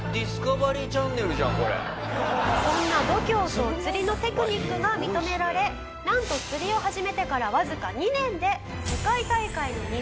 そんな度胸と釣りのテクニックが認められなんと釣りを始めてからわずか２年で世界大会の日本代表に。